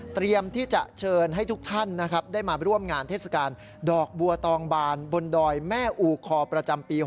เตรียมที่จะเชิญให้ทุกท่านนะครับได้มาร่วมงานเทศกาลดอกบัวตองบานบนดอยแม่อูคอประจำปี๖๐